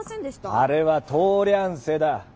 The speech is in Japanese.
あれは「通りゃんせ」だ。え？